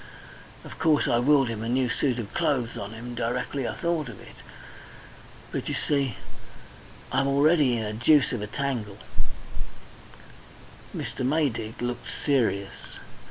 Of course I willed him a new suit of clothes on him directly I thought of it. But, you see, I'm already in a deuce of a tangle " Mr. Maydig looked serious.